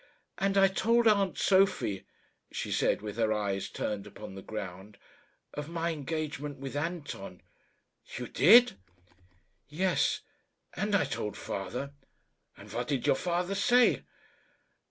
"And I told aunt Sophie," she said, with her eyes turned upon the ground, "of my engagement with Anton." "You did?" "Yes; and I told father." "And what did your father say?"